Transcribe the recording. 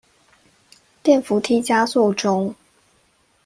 電扶梯加速中